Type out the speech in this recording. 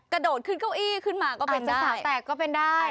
กระโดดขึ้นเก้าอี้ขึ้นมาก็เป็นได้